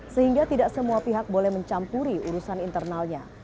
sehingga tidak semua pihak boleh mencampuri urusan internalnya